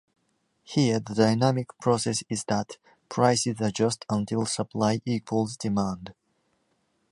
Here the dynamic process is that prices adjust until supply equals demand.